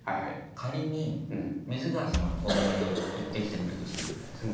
仮に水川さんがコンビニに行って来てくれるとするじゃないですか。